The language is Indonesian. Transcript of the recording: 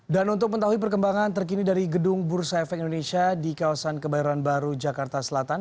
dan untuk mengetahui perkembangan terkini dari gedung bursa efek indonesia di kawasan kebayoran baru jakarta selatan